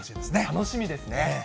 楽しみですね。